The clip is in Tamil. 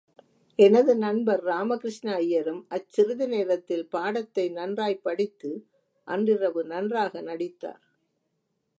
எனது நண்பர் ராமகிருஷ்ண ஐயரும் அச் சிறிது நேரத்தில் பாடத்தை நன்றாய்ப் படித்து அன்றிரவு நன்றாக நடித்தார்.